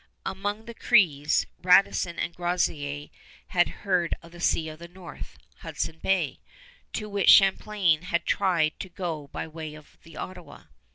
Among the Crees, Radisson and Groseillers had heard of that Sea of the North Hudson Bay to which Champlain had tried to go by way of the Ottawa.